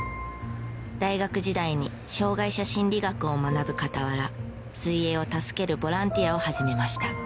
大学時代に障害者心理学を学ぶ傍ら水泳を助けるボランティアを始めました。